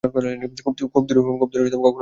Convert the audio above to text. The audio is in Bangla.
খুব দূরে কখনই ছিলেন না উনি।